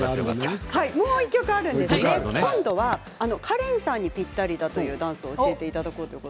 もう１曲あるんですよね今度はカレンさんにぴったりだというダンスを教えていただこうと思います。